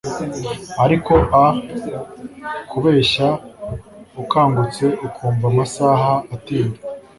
Ariko ah kubeshya ukangutse ukumva amasaha atinda